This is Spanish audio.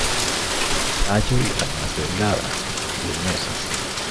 Tallo y ramas delgadas, leñosas.